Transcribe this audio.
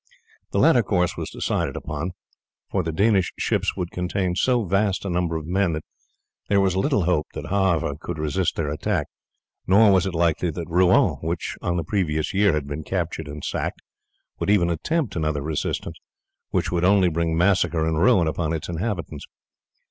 The latter course was decided upon, for the Danish ships would contain so vast a number of men that there was little hope that Havre could resist their attack, nor was it likely that Rouen, which, on the previous year had been captured and sacked, would even attempt another resistance, which would only bring massacre and ruin upon its inhabitants.